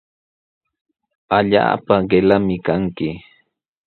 Allaapa qillami kanki.